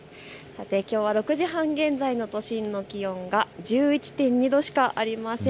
きょうは６時半現在の都心の気温は１１．２度しかありません。